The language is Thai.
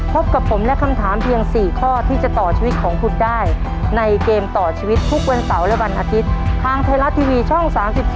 พบกับผมและคำถามเพียง๔ข้อที่จะต่อชีวิตของคุณได้ในเกมต่อชีวิตทุกวันเสาร์และวันอาทิตย์ทางไทยรัฐทีวีช่อง๓๒